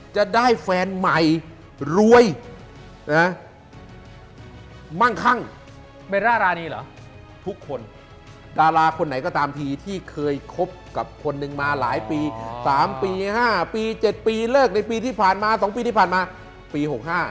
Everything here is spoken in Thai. จะได้แฟนใหม่รวยมั่งคั่งดาราคนไหนก็ตามทีที่เคยคบกับคนนึงมาหลายปี๓๕ปี๗ปีเลิกในปีที่ผ่านมา๒ปีที่ผ่านมาปี๖๕